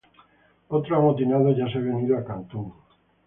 Otros amotinados ya se habían ido a Cantón.